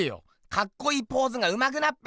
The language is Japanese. かっこいいポーズがうまくなっぺ！